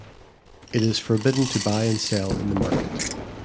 It is forbidden to buy and sell in the market.